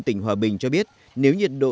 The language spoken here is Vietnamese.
tỉnh hòa bình cho biết nếu nhiệt độ